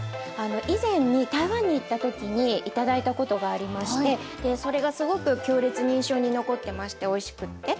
以前に台湾に行った時に頂いたことがありましてそれがすごく強烈に印象に残ってましておいしくって。